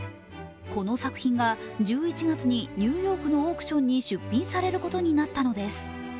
この作品が１１月にニューヨークのオークションに出品されることになったのです。